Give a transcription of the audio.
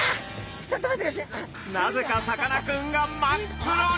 なぜかさかなクンが真っ黒に！